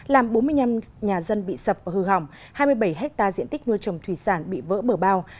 làm bốn mươi năm nhà dân bị sập ở hư hỏng hai mươi bảy hectare diện tích nuôi trồng thủy sản bị vỡ bờ bao